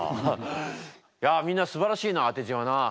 いやあみんなすばらしいな当て字はな。